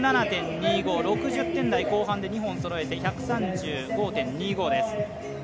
６７．２５、６０点後半で点数をそろえて１３５．２５です。